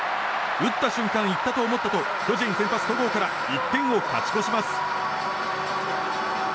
打った瞬間いったと思ったと巨人先発、戸郷から１点を勝ち越します。